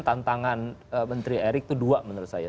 tantangan menteri erik itu dua menurut saya